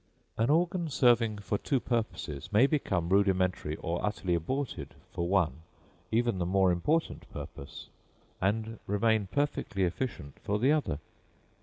An organ, serving for two purposes, may become rudimentary or utterly aborted for one, even the more important purpose, and remain perfectly efficient for the other.